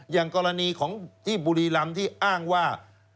อย่างกรณีของที่บุรีรำที่อ้างว่า